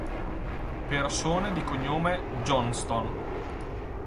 Persone di cognome Johnston